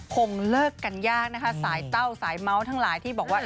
คงเลิกกันยากนะคะสายเต้าสายเมาส์ทั้งหลายที่บอกว่า